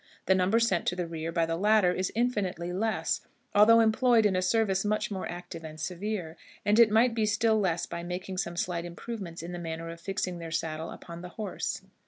The number sent to the rear by the latter is infinitely less, although employed in a service much more active and severe; and it might be still less by making some slight improvements in the manner of fixing their saddle upon the horse.